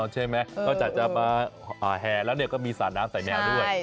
อ๋อใช่ไหมเค้าจะมาแห่แล้วก็มีสระน้ำใส่แมวด้วย